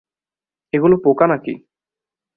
এগুলো পোকা নাকি?